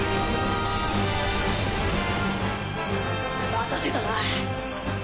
待たせたな。